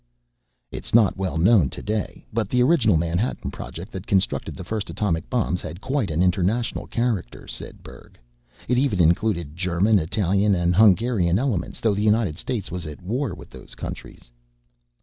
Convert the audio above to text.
"It's not well known today, but the original Manhattan Project that constructed the first atomic bombs had quite an international character," said Berg. "It even included German, Italian, and Hungarian elements though the United States was at war with those countries."